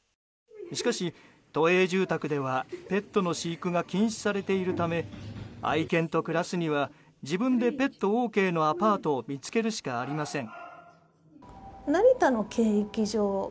しかし、都営住宅ではペットの飼育が禁止されているため愛犬と暮らすには自分でペットＯＫのアパートを見つけるしかありません。